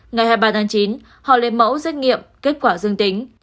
ngày hai mươi ba tháng chín họ lấy mẫu xét nghiệm kết quả dương tính